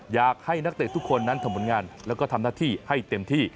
อยากให้นักเตะทุกคนนั้นทำผลงานแล้วก็ทำหน้าที่ให้เต็มที่